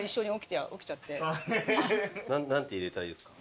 何て入れたらいいですか？